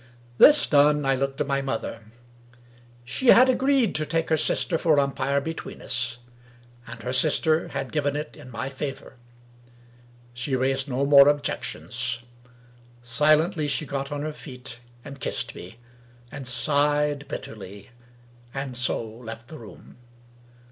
This done, I looked at my mother. She had agreed to take her sister for umpire "between us, and her sister had given it in my favor. She raised no more objections. Silently, she got on her feet, and kissed me, and sighed bitterly — and so left the room.